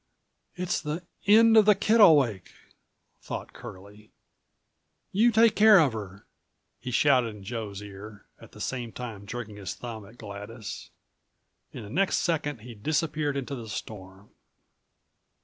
"It's the end of the Kittlewake," thought Curlie. "You take care of her," he shouted in Joe's ear, at the same time jerking his thumb at Gladys. The next second he disappeared into the storm.